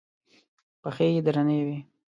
پښې یې درنې وې.